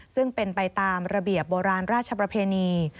ซึ่งเป็นไปตามระเบียบโบราณราชประเพณี